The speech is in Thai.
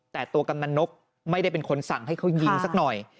แต่ตัวกำนันนกไม่ได้เป็นคนสั่งให้เขายิงสักหน่อย